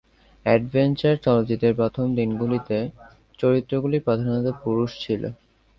Adventure চলচ্চিত্রের প্রথম দিনগুলিতে, চরিত্রগুলি প্রধানত পুরুষ ছিল।